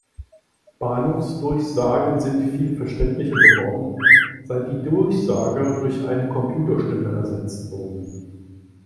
Bahnhofsdurchsagen sind viel verständlicher geworden, seit die Durchsager durch eine Computerstimme ersetzt wurden.